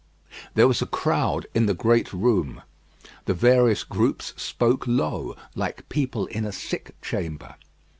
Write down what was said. There was a crowd in the great room. The various groups spoke low, like people in a sick chamber.